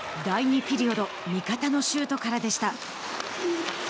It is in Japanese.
第２ピリオド味方のシュートからでした。